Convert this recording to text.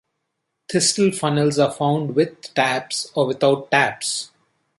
Thistle funnels are found with taps or without taps.